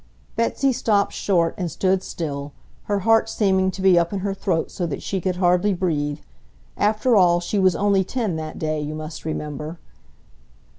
Betsy stopped short and stood still, her heart seeming to be up in her throat so that she could hardly breathe. After all, she was only ten that day, you must remember.